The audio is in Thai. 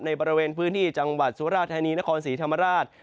บริเวณพื้นที่จังหวัดสุราธานีนครศรีธรรมราช